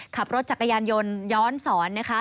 ขับรถจักรยานยนต์ย้อนสอนนะคะ